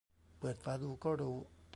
เปิดฝาดูก็รู้